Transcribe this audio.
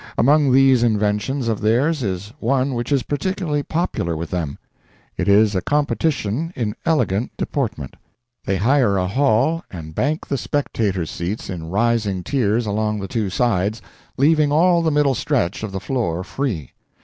Among these inventions of theirs is one which is particularly popular with them. It is a competition in elegant deportment. They hire a hall and bank the spectators' seats in rising tiers along the two sides, leaving all the middle stretch of the floor free.